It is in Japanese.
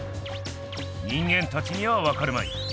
人間たちにはわかるまい。